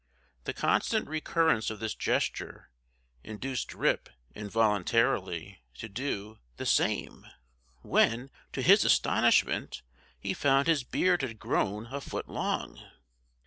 The constant recurrence of this gesture, induced Rip, involuntarily, to do, the same, when, to his astonishment, he found his beard had grown a foot long!